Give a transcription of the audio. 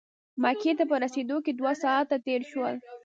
مکې ته په رسېدو کې دوه ساعته تېر شول.